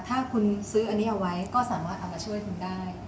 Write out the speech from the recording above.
ถ้าคุณซื้ออันนี้เอาไว้ก็สามารถเอามาช่วยคุณได้